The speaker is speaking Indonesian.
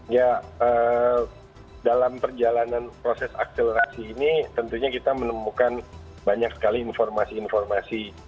ya dalam perjalanan proses akselerasi ini tentunya kita menemukan banyak sekali informasi informasi